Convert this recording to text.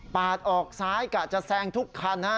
ออกซ้ายกะจะแซงทุกคันฮะ